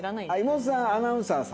妹さんアナウンサーさん。